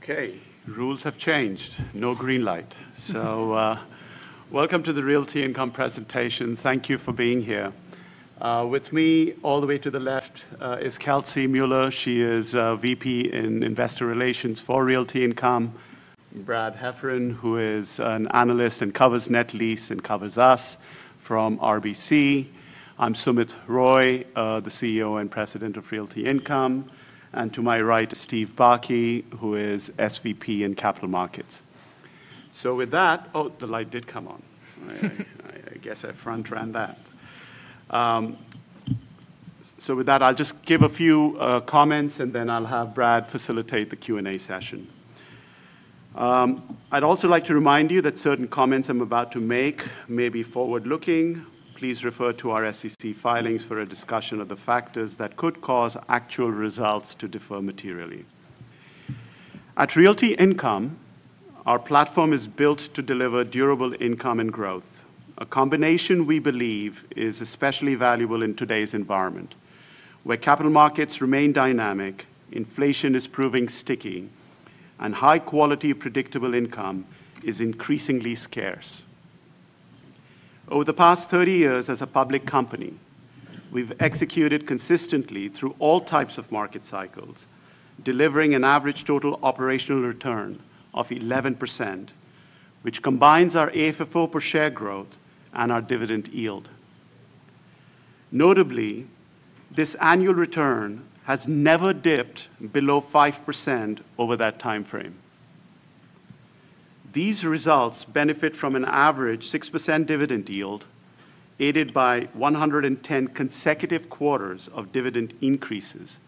Okay, rules have changed. No green light. So, welcome to the Realty Income presentation. Thank you for being here. With me all the way to the left is Kelsey Mueller. She is VP in Investor Relations for Realty Income. Brad Heffern, who is an analyst and covers Net Lease and covers us from RBC. I'm Sumit Roy, the CEO and President of Realty Income. To my right, Steve Bakke, who is SVP in Capital Markets. So with that—oh, the light did come on. I guess I front-ran that. So with that, I'll just give a few comments, and then I'll have Brad facilitate the Q&A session. I'd also like to remind you that certain comments I'm about to make may be forward-looking. Please refer to our SEC filings for a discussion of the factors that could cause actual results to differ materially. At Realty Income, our platform is built to deliver durable income and growth, a combination we believe is especially valuable in today's environment where capital markets remain dynamic, inflation is proving sticky, and high-quality, predictable income is increasingly scarce. Over the past 30 years as a public company, we've executed consistently through all types of market cycles, delivering an average total operational return of 11%, which combines our AFFO per share growth and our dividend yield. Notably, this annual return has never dipped below 5% over that time frame. These results benefit from an average 6% dividend yield, aided by 110 consecutive quarters of dividend increases,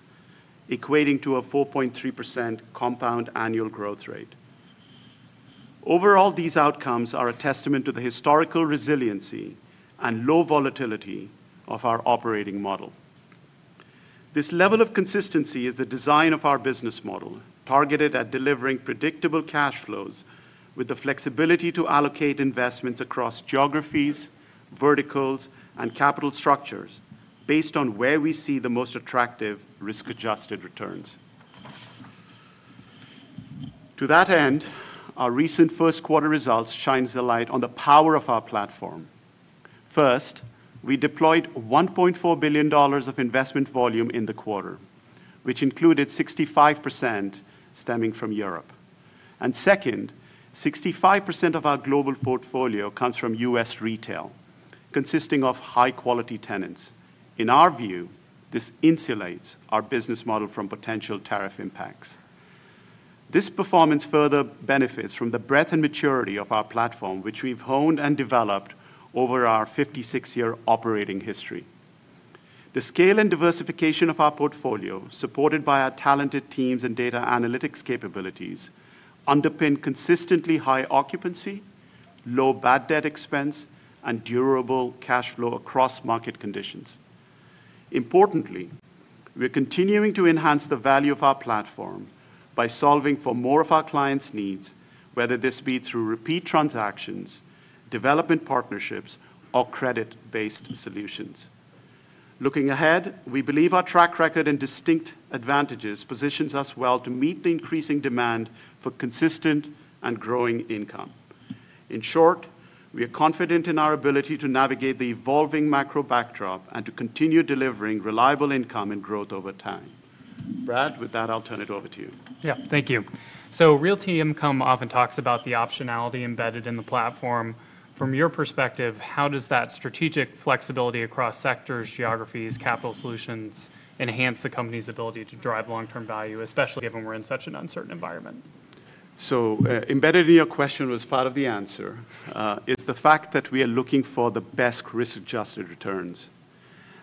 equating to a 4.3% compound annual growth rate. Overall, these outcomes are a testament to the historical resiliency and low volatility of our operating model. This level of consistency is the design of our business model, targeted at delivering predictable cash flows with the flexibility to allocate investments across geographies, verticals, and capital structures based on where we see the most attractive risk-adjusted returns. To that end, our recent first-quarter results shine a light on the power of our platform. First, we deployed $1.4 billion of investment volume in the quarter, which included 65% stemming from Europe. Second, 65% of our global portfolio comes from U.S. retail, consisting of high-quality tenants. In our view, this insulates our business model from potential tariff impacts. This performance further benefits from the breadth and maturity of our platform, which we've honed and developed over our 56-year operating history. The scale and diversification of our portfolio, supported by our talented teams and data analytics capabilities, underpin consistently high occupancy, low bad debt expense, and durable cash flow across market conditions. Importantly, we're continuing to enhance the value of our platform by solving for more of our clients' needs, whether this be through repeat transactions, development partnerships, or credit-based solutions. Looking ahead, we believe our track record and distinct advantages position us well to meet the increasing demand for consistent and growing income. In short, we are confident in our ability to navigate the evolving macro backdrop and to continue delivering reliable income and growth over time. Brad, with that, I'll turn it over to you. Yeah, thank you. Realty Income often talks about the optionality embedded in the platform. From your perspective, how does that strategic flexibility across sectors, geographies, and capital solutions enhance the company's ability to drive long-term value, especially given we're in such an uncertain environment? Embedded in your question was part of the answer, is the fact that we are looking for the best risk-adjusted returns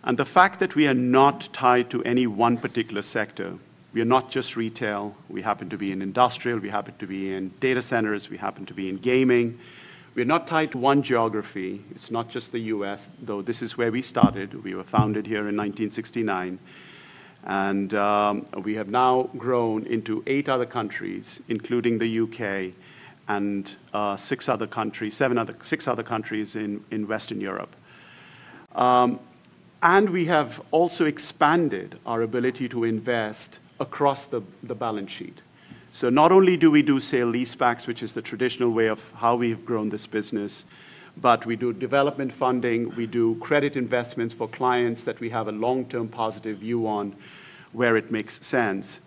and the fact that we are not tied to any one particular sector. We are not just retail. We happen to be in industrial. We happen to be in data centers. We happen to be in gaming. We are not tied to one geography. It's not just the U.S., though this is where we started. We were founded here in 1969, and we have now grown into eight other countries, including the U.K. and six other countries, seven other, six other countries in Western Europe. We have also expanded our ability to invest across the balance sheet. Not only do we do sale-leasebacks, which is the traditional way of how we've grown this business, but we do development funding. We do credit investments for clients that we have a long-term positive view on where it makes sense.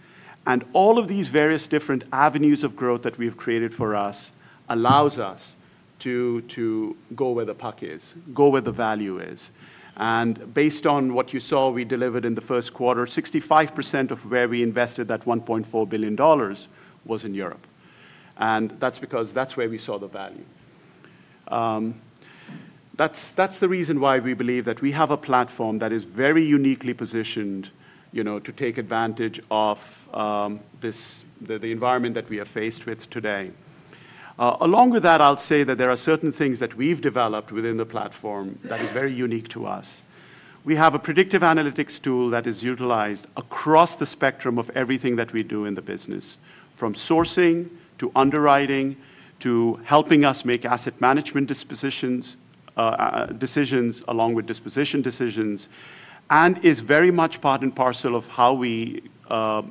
All of these various different avenues of growth that we have created for us allow us to go where the puck is, go where the value is. Based on what you saw, we delivered in the first quarter, 65% of where we invested that $1.4 billion was in Europe. That is because that is where we saw the value. That is the reason why we believe that we have a platform that is very uniquely positioned, you know, to take advantage of this, the environment that we are faced with today. Along with that, I will say that there are certain things that we have developed within the platform that are very unique to us. We have a predictive analytics tool that is utilized across the spectrum of everything that we do in the business, from sourcing to underwriting to helping us make asset management decisions along with disposition decisions, and is very much part and parcel of how we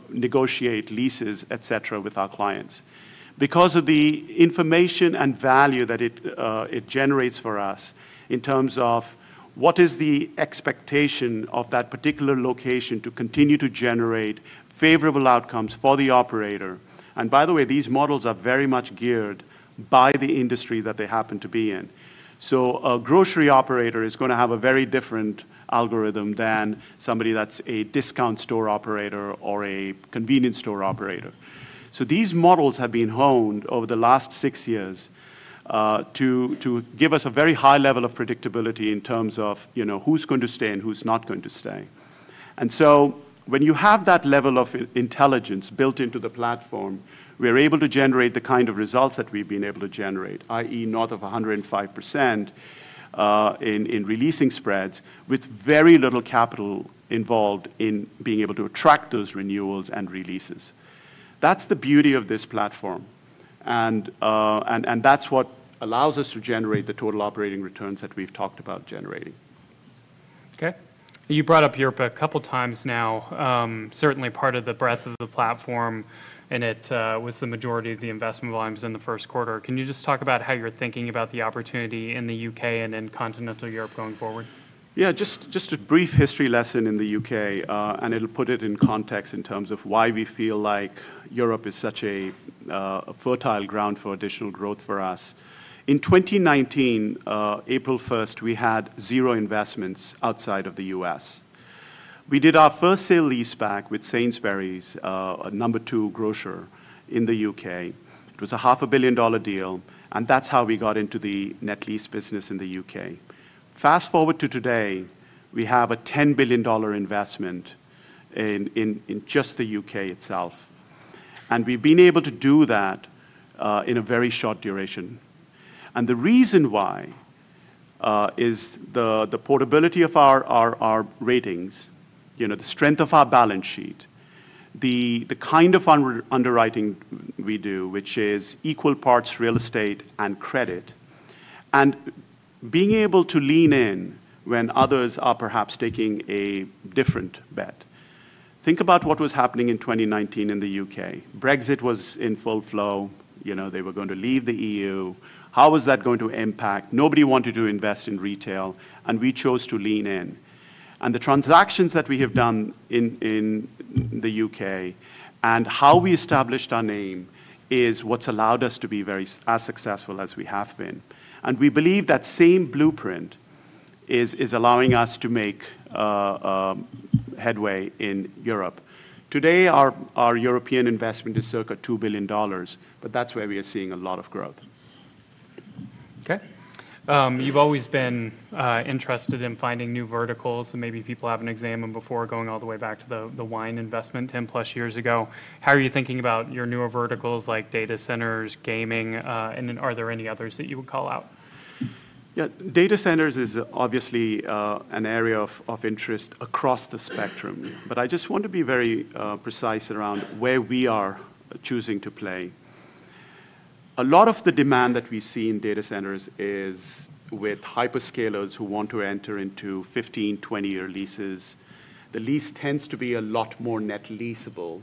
negotiate leases, etc., with our clients. Because of the information and value that it generates for us in terms of what is the expectation of that particular location to continue to generate favorable outcomes for the operator. By the way, these models are very much geared by the industry that they happen to be in. A grocery operator is gonna have a very different algorithm than somebody that's a discount store operator or a convenience store operator. These models have been honed over the last six years to give us a very high level of predictability in terms of, you know, who's going to stay and who's not going to stay. When you have that level of intelligence built into the platform, we're able to generate the kind of results that we've been able to generate, i.e., north of 105% in releasing spreads with very little capital involved in being able to attract those renewals and releases. That's the beauty of this platform, and that's what allows us to generate the total operating returns that we've talked about generating. Okay. You brought up Europe a couple of times now. Certainly part of the breadth of the platform, and it was the majority of the investment volumes in the first quarter. Can you just talk about how you're thinking about the opportunity in the U.K. and in continental Europe going forward? Yeah, just a brief history lesson in the U.K., and it'll put it in context in terms of why we feel like Europe is such a fertile ground for additional growth for us. In 2019, April 1, we had zero investments outside of the U.S. We did our first sale-leaseback with Sainsbury's, a number two grocer in the U.K. It was a $500 million deal, and that's how we got into the net lease business in the U.K. Fast forward to today, we have a $10 billion investment in just the U.K. itself. We have been able to do that in a very short duration. The reason why is the portability of our ratings, you know, the strength of our balance sheet, the kind of underwriting we do, which is equal parts real estate and credit, and being able to lean in when others are perhaps taking a different bet. Think about what was happening in 2019 in the U.K. Brexit was in full flow. You know, they were going to leave the EU. How was that going to impact? Nobody wanted to invest in retail, and we chose to lean in. The transactions that we have done in the U.K. and how we established our name is what has allowed us to be as successful as we have been. We believe that same blueprint is allowing us to make headway in Europe. Today, our European investment is circa $2 billion, but that's where we are seeing a lot of growth. Okay. You've always been interested in finding new verticals, and maybe people haven't examined before going all the way back to the wine investment 10+ years ago. How are you thinking about your newer verticals like data centers, gaming, and are there any others that you would call out? Yeah, data centers is obviously an area of interest across the spectrum, but I just want to be very precise around where we are choosing to play. A lot of the demand that we see in data centers is with hyperscalers who want to enter into 15 year-20 year leases. The lease tends to be a lot more net leasable,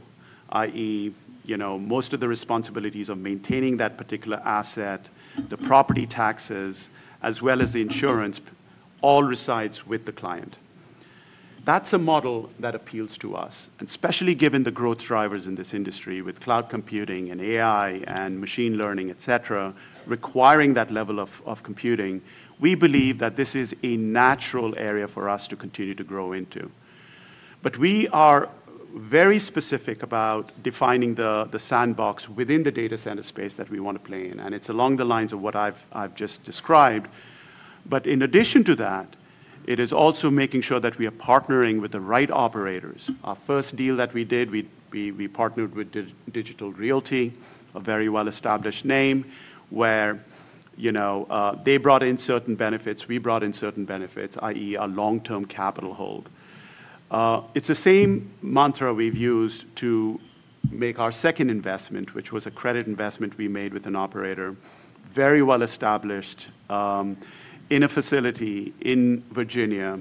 i.e., you know, most of the responsibilities of maintaining that particular asset, the property taxes, as well as the insurance, all resides with the client. That's a model that appeals to us, and especially given the growth drivers in this industry with cloud computing and AI and machine learning, etc., requiring that level of computing, we believe that this is a natural area for us to continue to grow into. We are very specific about defining the sandbox within the data center space that we want to play in, and it is along the lines of what I have just described. In addition to that, it is also making sure that we are partnering with the right operators. Our first deal that we did, we partnered with Digital Realty, a very well-established name where, you know, they brought in certain benefits. We brought in certain benefits, i.e., a long-term capital hold. It is the same mantra we have used to make our second investment, which was a credit investment we made with an operator, very well-established, in a facility in Virginia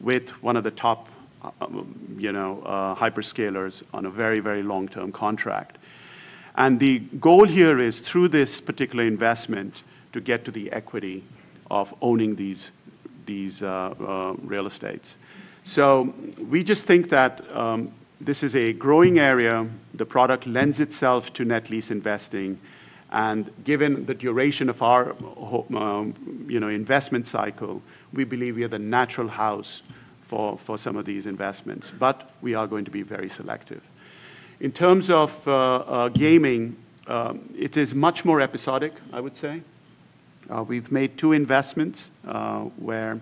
with one of the top, you know, hyperscalers on a very, very long-term contract. The goal here is through this particular investment to get to the equity of owning these real estates. We just think that this is a growing area. The product lends itself to net lease investing. And given the duration of our, you know, investment cycle, we believe we are the natural house for some of these investments, but we are going to be very selective. In terms of gaming, it is much more episodic, I would say. We have made two investments, where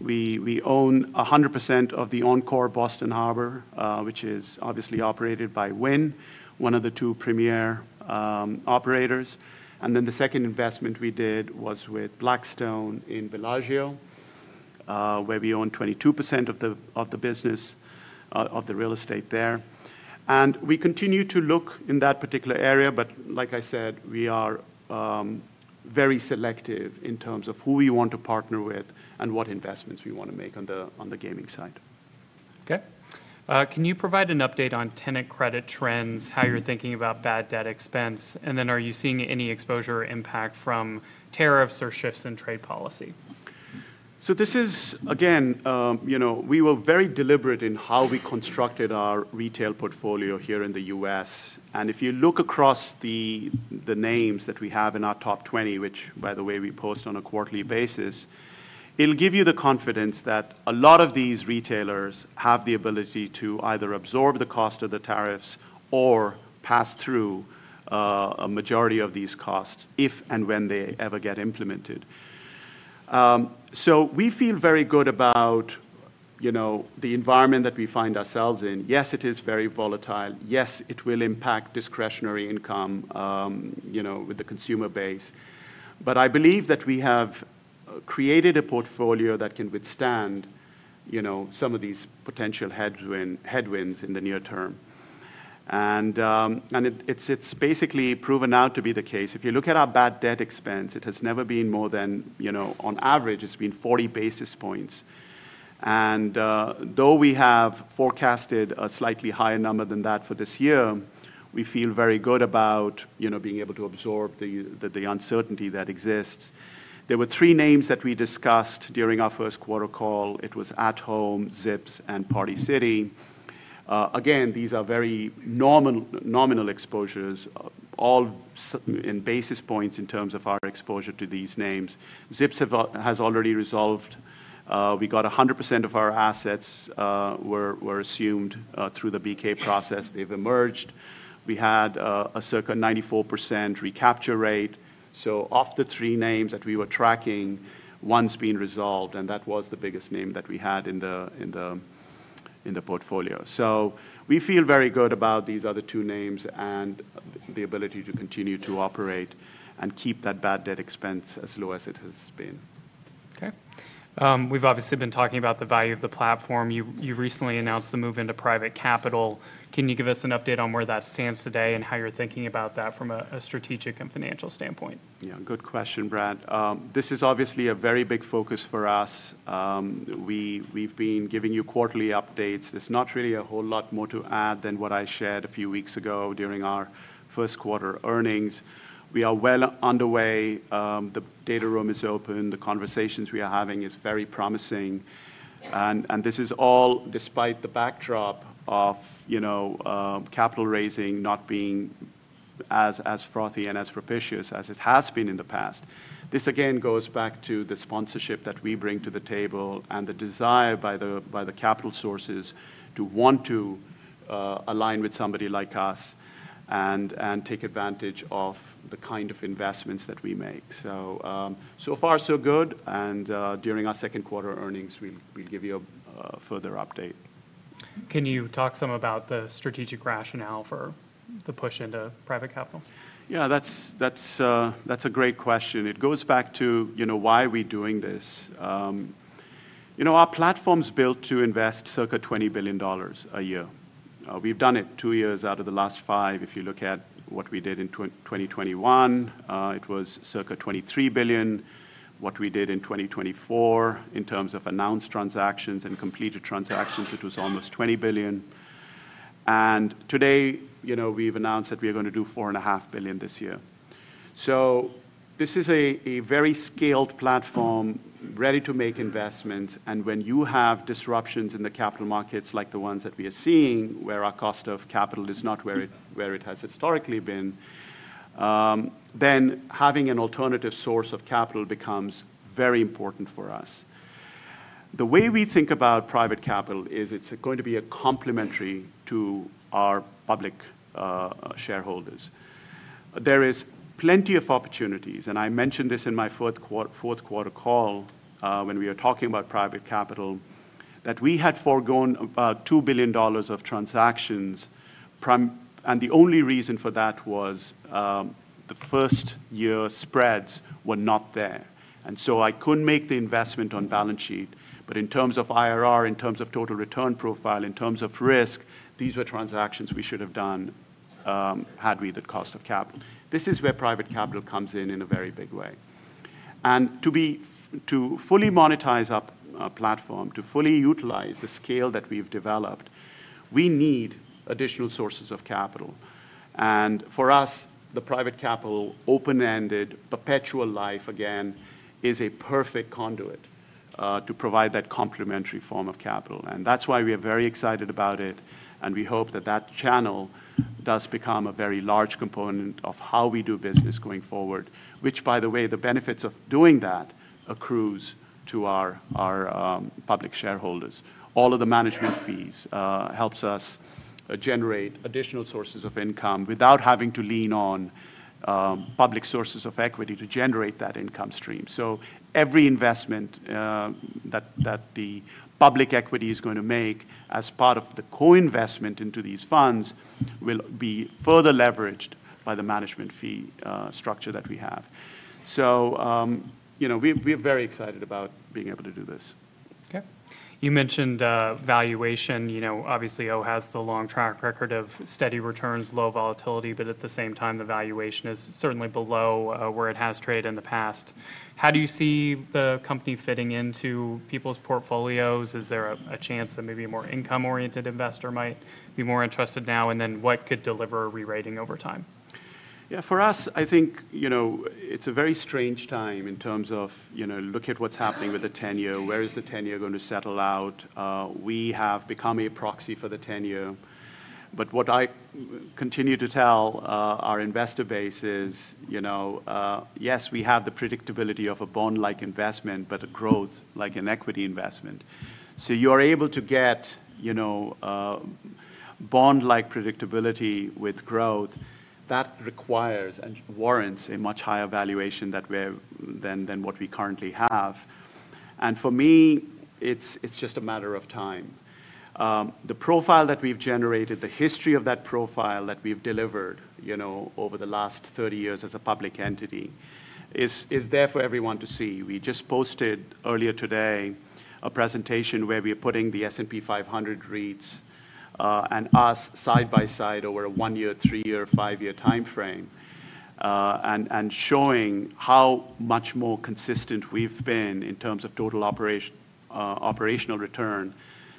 we own 100% of the Encore Boston Harbor, which is obviously operated by Wynn, one of the two premier operators. Then the second investment we did was with Blackstone in Bellagio, where we own 22% of the business, of the real estate there. We continue to look in that particular area, but like I said, we are very selective in terms of who we want to partner with and what investments we want to make on the gaming side. Okay. Can you provide an update on tenant credit trends, how you're thinking about bad debt expense? Are you seeing any exposure impact from tariffs or shifts in trade policy? This is, again, you know, we were very deliberate in how we constructed our retail portfolio here in the U.S. If you look across the names that we have in our top 20, which, by the way, we post on a quarterly basis, it'll give you the confidence that a lot of these retailers have the ability to either absorb the cost of the tariffs or pass through a majority of these costs if and when they ever get implemented. We feel very good about, you know, the environment that we find ourselves in. Yes, it is very volatile. Yes, it will impact discretionary income, you know, with the consumer base. I believe that we have created a portfolio that can withstand, you know, some of these potential headwinds in the near term. It, it's basically proven out to be the case. If you look at our bad debt expense, it has never been more than, you know, on average, it's been 40 basis points. Though we have forecasted a slightly higher number than that for this year, we feel very good about, you know, being able to absorb the uncertainty that exists. There were three names that we discussed during our first quarter call. It was At Home, ZIPS, and Party City. Again, these are very nominal, nominal exposures, all in basis points in terms of our exposure to these names. ZIPS have already resolved. We got 100% of our assets, were assumed, through the BK process. They've emerged. We had a circa 94% recapture rate. Of the three names that we were tracking, one's been resolved, and that was the biggest name that we had in the portfolio. We feel very good about these other two names and the ability to continue to operate and keep that bad debt expense as low as it has been. Okay. We've obviously been talking about the value of the platform. You recently announced the move into private capital. Can you give us an update on where that stands today and how you're thinking about that from a strategic and financial standpoint? Yeah, good question, Brad. This is obviously a very big focus for us. We've been giving you quarterly updates. There's not really a whole lot more to add than what I shared a few weeks ago during our first quarter earnings. We are well underway. The data room is open. The conversations we are having are very promising. This is all despite the backdrop of, you know, capital raising not being as, as frothy and as propitious as it has been in the past. This again goes back to the sponsorship that we bring to the table and the desire by the capital sources to want to align with somebody like us and take advantage of the kind of investments that we make. So far, so good. During our second quarter earnings, we'll give you a further update. Can you talk some about the strategic rationale for the push into private capital? Yeah, that's a great question. It goes back to, you know, why are we doing this? You know, our platform's built to invest circa $20 billion a year. We've done it two years out of the last five. If you look at what we did in 2021, it was circa $23 billion. What we did in 2024 in terms of announced transactions and completed transactions, it was almost $20 billion. Today, you know, we've announced that we are going to do $4.5 billion this year. This is a very scaled platform ready to make investments. When you have disruptions in the capital markets like the ones that we are seeing, where our cost of capital is not where it has historically been, then having an alternative source of capital becomes very important for us. The way we think about private capital is it's going to be complementary to our public shareholders. There is plenty of opportunities, and I mentioned this in my fourth quarter call, when we were talking about private capital, that we had foregone about $2 billion of transactions. The only reason for that was, the first year spreads were not there. I couldn't make the investment on balance sheet, but in terms of IRR, in terms of total return profile, in terms of risk, these were transactions we should have done, had we the cost of capital. This is where private capital comes in, in a very big way. To fully monetize our platform, to fully utilize the scale that we've developed, we need additional sources of capital. For us, the private capital open-ended perpetual life again is a perfect conduit to provide that complementary form of capital. That is why we are very excited about it, and we hope that channel does become a very large component of how we do business going forward, which, by the way, the benefits of doing that accrues to our public shareholders. All of the management fees help us generate additional sources of income without having to lean on public sources of equity to generate that income stream. Every investment that the public equity is going to make as part of the co-investment into these funds will be further leveraged by the management fee structure that we have. You know, we are very excited about being able to do this. Okay. You mentioned, valuation. You know, obviously, O has the long track record of steady returns, low volatility, but at the same time, the valuation is certainly below where it has traded in the past. How do you see the company fitting into people's portfolios? Is there a, a chance that maybe a more income-oriented investor might be more interested now? And then what could deliver a re-rating over time? Yeah, for us, I think, you know, it's a very strange time in terms of, you know, look at what's happening with the ten-year. Where is the ten-year going to settle out? We have become a proxy for the ten-year, but what I continue to tell our investor base is, you know, yes, we have the predictability of a bond-like investment, but a growth-like, an equity investment. You are able to get, you know, bond-like predictability with growth that requires and warrants a much higher valuation than what we currently have. For me, it's just a matter of time. The profile that we've generated, the history of that profile that we've delivered, you know, over the last 30 years as a public entity is there for everyone to see. We just posted earlier today a presentation where we are putting the S&P 500 REITs and us side by side over a one-year, three-year, five-year timeframe, and showing how much more consistent we've been in terms of total operational return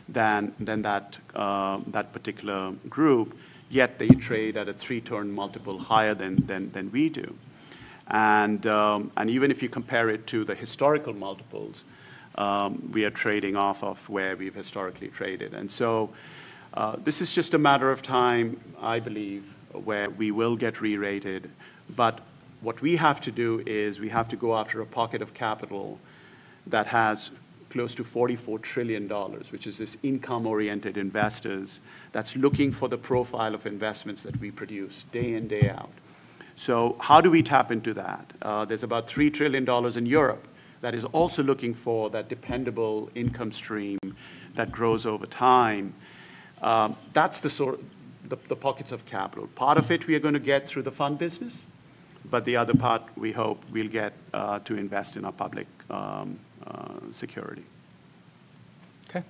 than that particular group. Yet they trade at a three-turn multiple higher than we do. Even if you compare it to the historical multiples, we are trading off of where we've historically traded. This is just a matter of time, I believe, where we will get re-rated. What we have to do is we have to go after a pocket of capital that has close to $44 trillion, which is this income-oriented investors that's looking for the profile of investments that we produce day in, day out. How do we tap into that? There's about $3 trillion in Europe that is also looking for that dependable income stream that grows over time. That's the sort of the pockets of capital. Part of it we are going to get through the fund business, but the other part we hope we'll get to invest in our public security. Okay.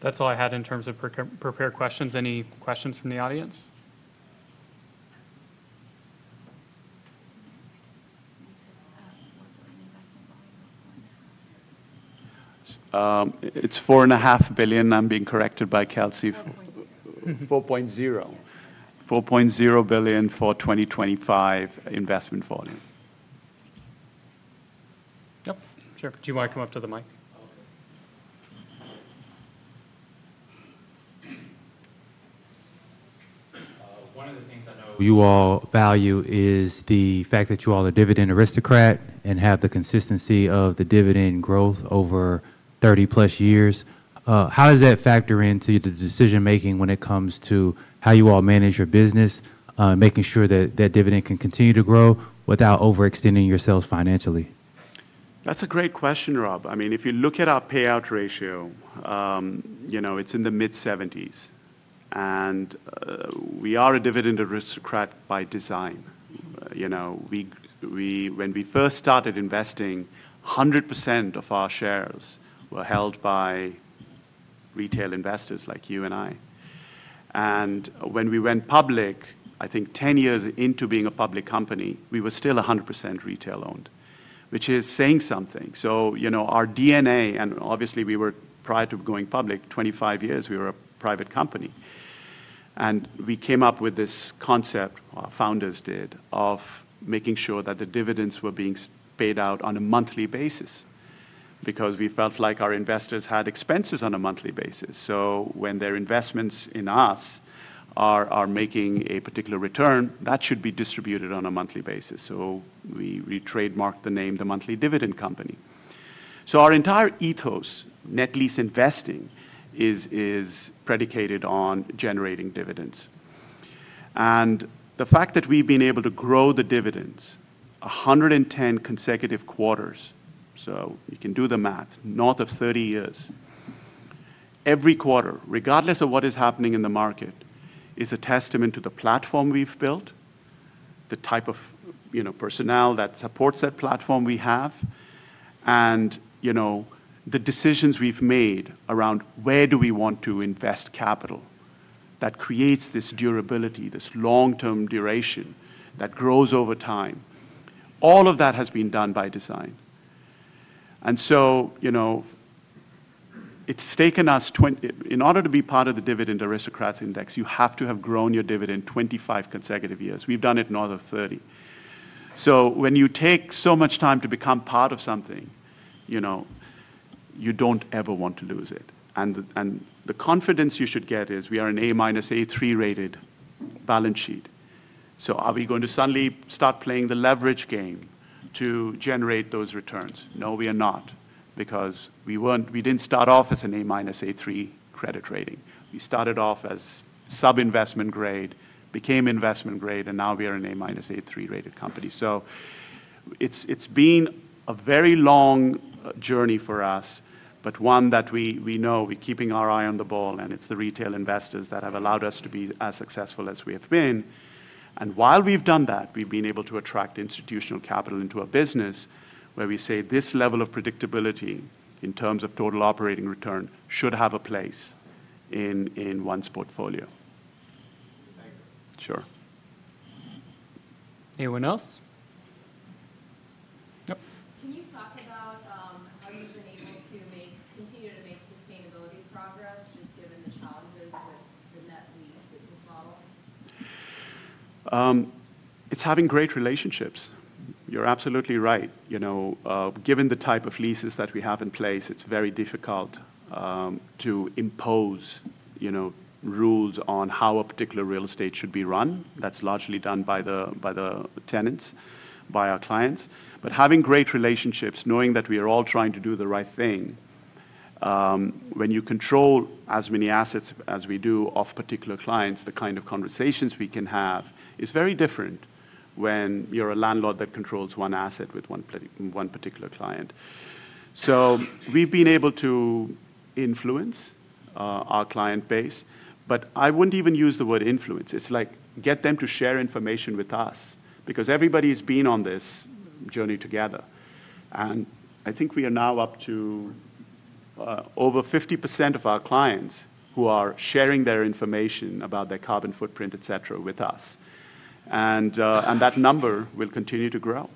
That's all I had in terms of prepared questions. Any questions from the audience? It's $4.5 billion. I'm being corrected by Kelsey. $4.0 billion for 2025 investment volume. Yep. Sure. Do you want to come up to the mic? One of the things I know you all value is the fact that you all are Dividend Aristocrats and have the consistency of the dividend growth over 30 plus years. How does that factor into the decision-making when it comes to how you all manage your business, making sure that that dividend can continue to grow without overextending yourselves financially? That's a great question, Rob. I mean, if you look at our payout ratio, you know, it's in the mid-70% and, we are a Dividend Aristocrat by design. You know, we, we, when we first started investing, 100% of our shares were held by retail investors like you and I. And when we went public, I think 10 years into being a public company, we were still 100% retail-owned, which is saying something. You know, our DNA, and obviously we were, prior to going public, 25 years we were a private company. And we came up with this concept, our founders did, of making sure that the dividends were being paid out on a monthly basis because we felt like our investors had expenses on a monthly basis. When their investments in us are making a particular return, that should be distributed on a monthly basis. We trademarked the name the Monthly Dividend Company. Our entire ethos, net lease investing, is predicated on generating dividends. The fact that we've been able to grow the dividends 110 consecutive quarters, so you can do the math, north of 30 years, every quarter, regardless of what is happening in the market, is a testament to the platform we've built, the type of personnel that supports that platform we have, and, you know, the decisions we've made around where do we want to invest capital that creates this durability, this long-term duration that grows over time. All of that has been done by design. You know, it's taken us 20 in order to be part of the Dividend Aristocrats Index, you have to have grown your dividend 25 consecutive years. We've done it north of 30. When you take so much time to become part of something, you know, you do not ever want to lose it. The confidence you should get is we are an A- A3 rated balance sheet. Are we going to suddenly start playing the leverage game to generate those returns? No, we are not because we did not start off as an A- A3 credit rating. We started off as sub-investment grade, became investment grade, and now we are an A- A3 rated company. It has been a very long journey for us, but one that we know we are keeping our eye on the ball, and it is the retail investors that have allowed us to be as successful as we have been. While we've done that, we've been able to attract institutional capital into a business where we say this level of predictability in terms of total operating return should have a place in one's portfolio. Thank you. Sure. Anyone else? Yep. Can you talk about how you've been able to make, continue to make, sustainability progress just given the challenges with the net lease business model? It's having great relationships. You're absolutely right. You know, given the type of leases that we have in place, it's very difficult to impose, you know, rules on how a particular real estate should be run. That's largely done by the tenants, by our clients. But having great relationships, knowing that we are all trying to do the right thing, when you control as many assets as we do of particular clients, the kind of conversations we can have is very different when you're a landlord that controls one asset with one particular client. So we've been able to influence our client base, but I wouldn't even use the word influence. It's like get them to share information with us because everybody has been on this journey together. I think we are now up to over 50% of our clients who are sharing their information about their carbon footprint, et cetera, with us. That number will continue to grow.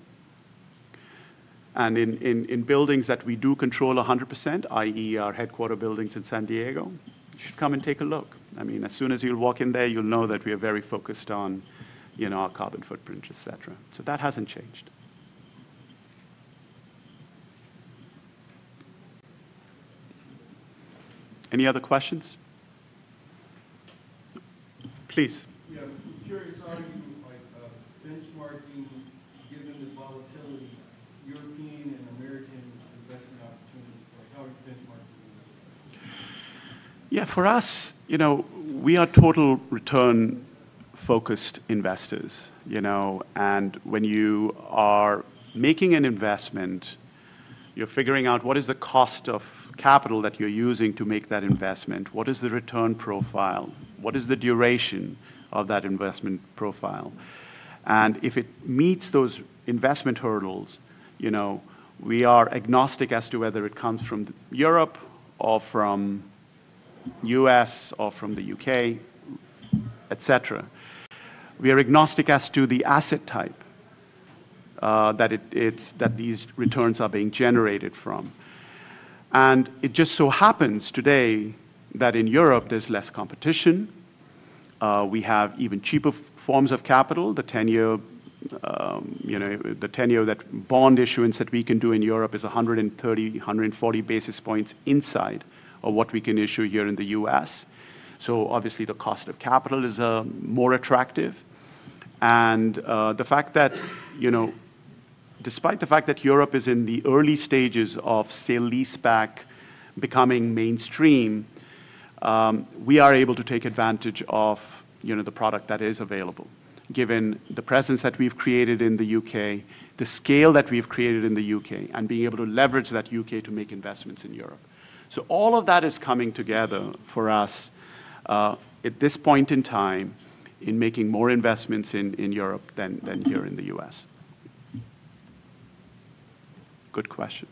In buildings that we do control 100%, i.e., our headquarter buildings in San Diego, you should come and take a look. I mean, as soon as you walk in there, you'll know that we are very focused on, you know, our carbon footprint, et cetera. That has not changed. Any other questions? Please. Yeah. I'm curious how you would, like, benchmarking given the volatility, European and American investment opportunities. Like, how are you benchmarking? Yeah. For us, you know, we are total return-focused investors, you know, and when you are making an investment, you're figuring out what is the cost of capital that you're using to make that investment, what is the return profile, what is the duration of that investment profile. If it meets those investment hurdles, you know, we are agnostic as to whether it comes from Europe or from the U.S. or from the U.K., et cetera. We are agnostic as to the asset type, that it, it's that these returns are being generated from. It just so happens today that in Europe there's less competition. We have even cheaper forms of capital. The 10-year, you know, the 10-year that bond issuance that we can do in Europe is 130-140 basis points inside of what we can issue here in the U.S. Obviously the cost of capital is more attractive. The fact that, you know, despite the fact that Europe is in the early stages of sale-leaseback becoming mainstream, we are able to take advantage of, you know, the product that is available given the presence that we have created in the U.K., the scale that we have created in the U.K., and being able to leverage that U.K. to make investments in Europe. All of that is coming together for us at this point in time in making more investments in Europe than here in the U.S. Good question.